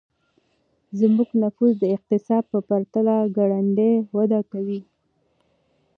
زموږ نفوس د اقتصاد په پرتله ګړندی وده کوي.